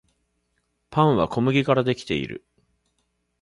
パンは小麦からできている